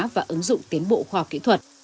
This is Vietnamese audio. và ứng dụng tiến bộ khoa kỹ thuật